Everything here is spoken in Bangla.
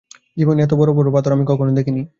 জীবনে এত বড় বড় পাথর আমি কখনো দেখিনি।